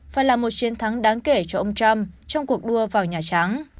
và là một chiến thắng đáng kể cho ông trump trong cuộc đua vào nhà trắng